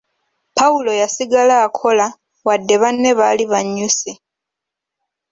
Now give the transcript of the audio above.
Pawulo yasigala akola wadde banne baali banyuse.